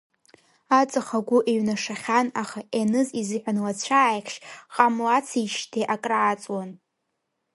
Аҵых агәы еиҩнашахьан, аха Еныз изыҳәан лацәааихьшь ҟамлациижьҭеи акрааҵуан.